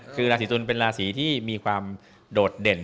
คือราศีตุลเป็นราศีที่มีความโดดเด่น